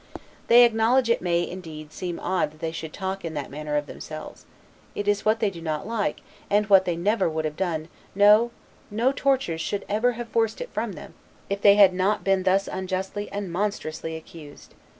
They acknowledge it may, indeed, seem odd that they should talk in that manner of themselves; it is what they do not like, and what they never would have done; no; no tortures should ever have forced it from them, if they had, not been thus unjustly and monstrously accused.